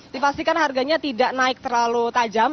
dipastikan harganya tidak naik terlalu tajam